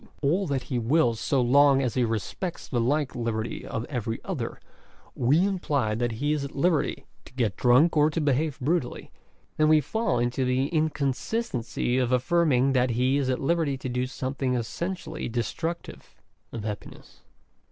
all that he wills so long as he respects the like liberty of every other, we imply that he is at liberty to get drank or to behave brutally, then we fall into the inconsistency of affirming that he is at liberty to do something essentially destructive of happiness.